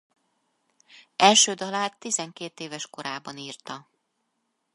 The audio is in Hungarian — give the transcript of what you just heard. Első dalát tizenkét éves korában írta.